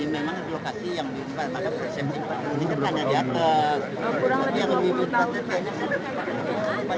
memang lokasi yang dimbal maka buka